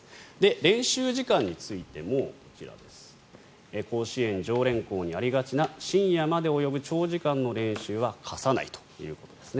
練習時間についても甲子園常連校にありがちな深夜まで及ぶ長時間の練習は課さないということです。